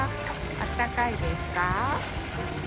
あったかいですか？